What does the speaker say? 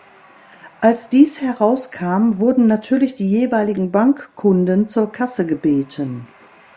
Als dies herauskam, wurden natürlich die jeweiligen Bankkunden zur Kasse gebeten.